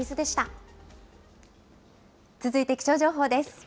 続いて気象情報です。